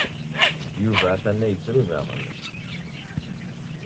Yuba atan la yettru daɣen.